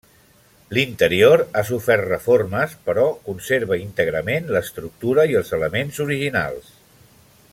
L'interior ha sofert reformes però conserva íntegrament l'estructura i els elements originals.